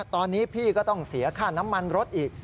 ตอนนี้พี่ก็ต้องเสียค่าน้ำมันรถอีก